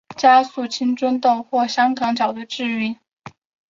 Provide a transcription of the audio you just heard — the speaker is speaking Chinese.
加速青春痘或香港脚的治愈。